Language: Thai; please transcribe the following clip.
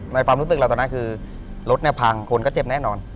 ความรู้สึกเราตอนนั้นคือรถเนี่ยพังคนก็เจ็บแน่นอน